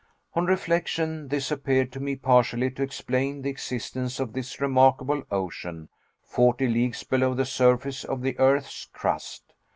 On reflection, this appeared to me partially to explain the existence of this remarkable ocean, forty leagues below the surface of the earth's crust.